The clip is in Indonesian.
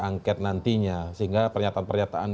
angket nantinya sehingga pernyataan pernyataan